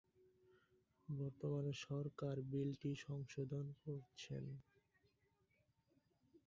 বর্তমানে সরকার বিলটি সংশোধন করছেন।